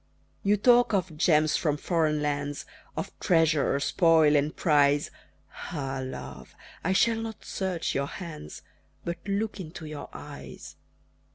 You talk of gems from foreign lands, Of treasure, spoil, and prize. Ah, love! I shall not search your hands, But look into your eyes.